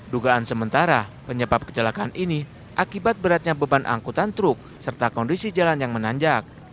dugaan sementara penyebab kecelakaan ini akibat beratnya beban angkutan truk serta kondisi jalan yang menanjak